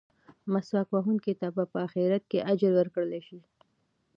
مسواک وهونکي ته به په اخرت کې اجر ورکړل شي.